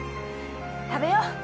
食べよう。